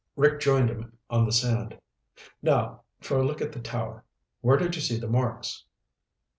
Rick joined him on the sand. "Now for a look at the tower. Where did you see the marks?"